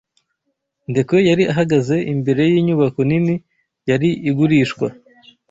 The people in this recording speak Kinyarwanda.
Ndekwe yari ahagaze imbere yinyubako nini yari igurishwa.